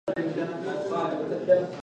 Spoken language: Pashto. ښه مور د کورنۍ سلامتۍ ضامن ده.